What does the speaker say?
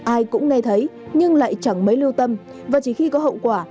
ai cũng nghe thấy nhưng lại chẳng mấy lưu tâm và chỉ khi có hậu quả